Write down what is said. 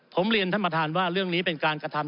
ผมเรียนท่านประธานว่าเรื่องนี้เป็นการกระทำ